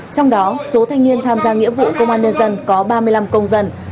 trong đó số thanh niên tham gia nghĩa vụ công an nhân dân có ba mươi năm công dân